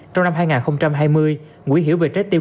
trong năm hai nghìn hai mươi nguyễn hiểu về trái tim